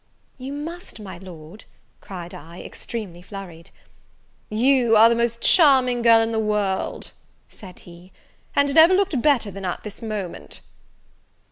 "You must, my Lord," cried I, extremely flurried. "You are the most charming girl in the world," said he, "and never looked better than at this moment."